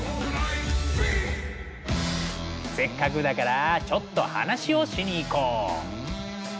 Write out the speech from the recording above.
せっかくだからちょっと話をしに行こう。